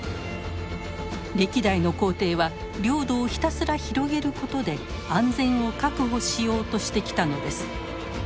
歴代の皇帝は領土をひたすら広げることで安全を確保しようとしてきたのです。